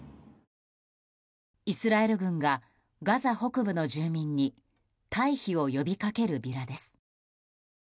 イスラエル軍がガザ北部の住民に退避を呼びかけるビラです。